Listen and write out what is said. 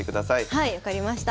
はい分かりました。